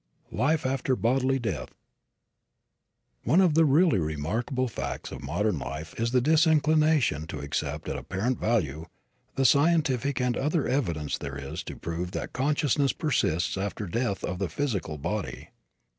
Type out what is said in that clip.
LIFE AFTER BODILY DEATH One of the really remarkable facts of modern life is the disinclination to accept at apparent value the scientific and other evidence there is to prove that consciousness persists after the death of the physical body.